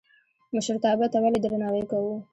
مشرتابه ته ولې درناوی کوو؟